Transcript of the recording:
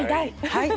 はい。